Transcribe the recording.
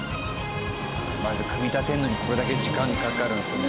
まず組み立てるのにこれだけ時間かかるんですね。